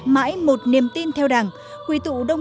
mãi một niềm tin theo đảng